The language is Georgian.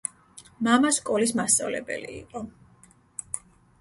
მამა სკოლის მასწავლებელი იყო.